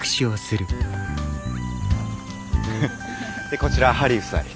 でこちらハリー夫妻。